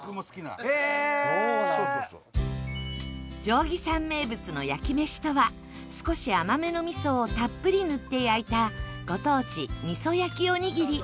定義山名物の焼きめしとは少し甘めの味噌をたっぷり塗って焼いたご当地味噌焼きおにぎり